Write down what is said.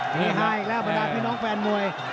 เฮฮาอีกแล้วบรรดาพี่น้องแฟนมวย